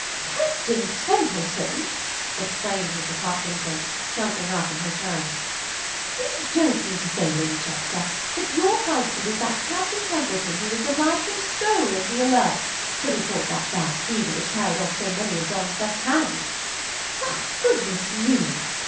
"Captain Templeton!" exclaimed Mrs. Hopkinson, jumping up in her turn. "You don't mean to say, Lady Chester, that your husband is that Captain Templeton who was the life and soul of the Alert till he caught that bad fever which carried off so many of John's best hands? Goodness me!